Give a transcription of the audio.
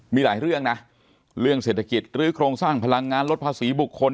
มีหลายเรื่องนะเรื่องเศรษฐกิจหรือโครงสร้างพลังงานลดภาษีบุคคล